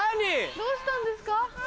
どうしたんですか？